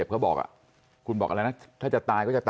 พี่สาวบอกแบบนั้นหลังจากนั้นเลยเตือนน้องตลอดว่าอย่าเข้าในพงษ์นะ